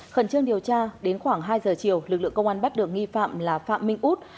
khẩn trương điều tra đến khoảng hai giờ chiều lực lượng công an bắt được nghi phạm là phạm minh út